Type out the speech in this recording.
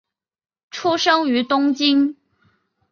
出生于东京。